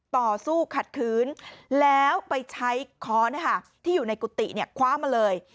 ต่อสู้ขัดขืนแล้วไปใช้ค้อนที่อยู่ในกุฏิคว้ามาเลย